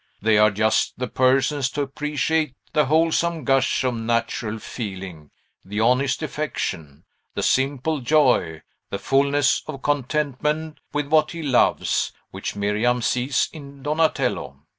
They are just the persons to appreciate the wholesome gush of natural feeling, the honest affection, the simple joy, the fulness of contentment with what he loves, which Miriam sees in Donatello.